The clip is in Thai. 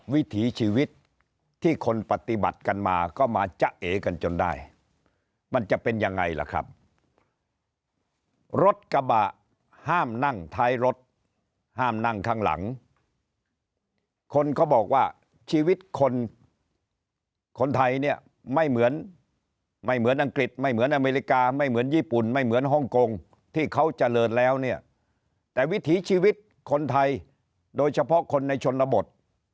วิถีชีวิตที่คนปฏิบัติกันมาก็มาจะเอกันจนได้มันจะเป็นยังไงล่ะครับรถกระบะห้ามนั่งท้ายรถห้ามนั่งข้างหลังคนเขาบอกว่าชีวิตคนคนไทยเนี่ยไม่เหมือนไม่เหมือนอังกฤษไม่เหมือนอเมริกาไม่เหมือนญี่ปุ่นไม่เหมือนฮ่องกงที่เขาเจริญแล้วเนี่ยแต่วิถีชีวิตคนไทยโดยเฉพาะคนในชนบท